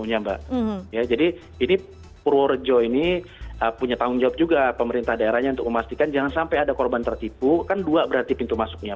ya jadi ini purworejo ini punya tanggung jawab juga pemerintah daerahnya untuk memastikan jangan sampai ada korban tertipu kan dua berarti pintu masuknya